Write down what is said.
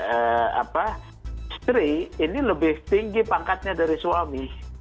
eh apa istri ini lebih tinggi pangkatnya dari suami